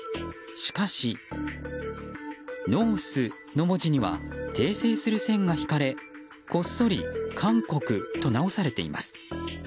しかし「Ｎｏｒｔｈ」の文字には訂正する線が引かれこっそり韓国と直されています。